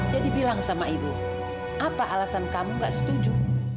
jadi bilang sama ibu apa alasan kamu gak setuju